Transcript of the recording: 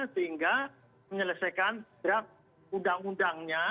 sehingga menyelesaikan draft undang undangnya